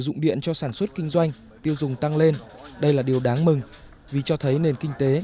dụng điện cho sản xuất kinh doanh tiêu dùng tăng lên đây là điều đáng mừng vì cho thấy nền kinh tế